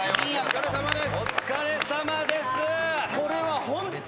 お疲れさまです。